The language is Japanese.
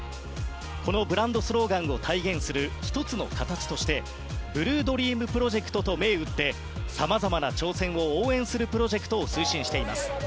このブランドスローガンを体現する１つの形としてＢＬＵＥＤＲＥＡＭプロジェクトと銘打ってさまざまな挑戦を応援するプロジェクトを推進しています。